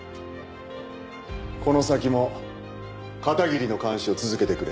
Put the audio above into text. この先も片桐の監視を続けてくれ。